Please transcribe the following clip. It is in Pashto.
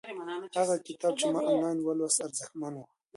هغه کتاب چې ما آنلاین ولوست ارزښتمن و.